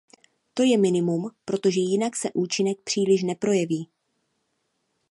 To je minimum, protože jinak se účinek příliš neprojeví.